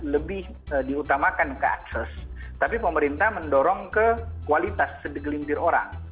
lebih diutamakan ke akses tapi pemerintah mendorong ke kualitas sedegelintir orang